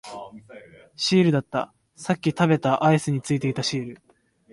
シールだった、さっき食べたアイスについていたシール